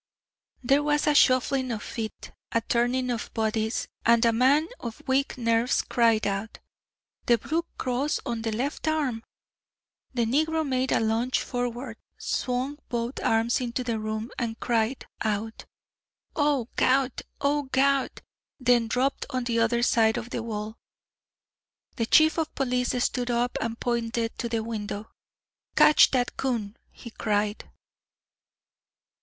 There was a shuffling of feet, a turning of bodies, and a man of weak nerves cried out: "The blue cross on the left arm!" The negro made a lunge forward, swung both arms into the room, and cried out: "Oh, Gawd! Oh, Gawd!" then dropped on the other side of the wall. The Chief of Police stood up and pointed to the window. "Catch that coon," he cried.